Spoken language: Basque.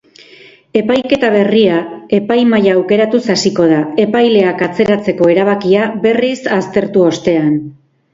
Epaiketa berria epaimahaia aukeratuz hasiko da, epaileak atzeratzeko erabakia berriz aztertu ostean.